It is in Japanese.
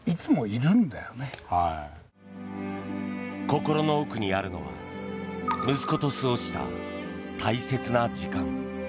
心の奥にあるのは息子と過ごした大切な時間。